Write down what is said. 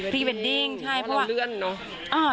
พรีเวดดิ้งเพราะว่าเราเลื่อนเนอะ